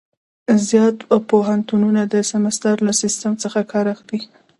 زیات پوهنتونونه د سمستر له سیسټم څخه کار اخلي.